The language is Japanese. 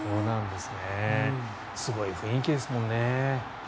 すごい雰囲気ですもんね。